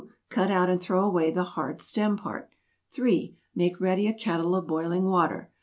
Cut out and throw away the hard stem part. 3. Make ready a kettle of boiling water.